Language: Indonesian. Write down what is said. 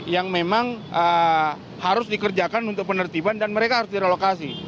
yang memang harus dikerjakan untuk penertiban dan mereka harus direlokasi